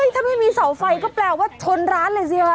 ถ้าไม่มีเสาไฟก็แปลว่าชนร้านเลยสิฮะ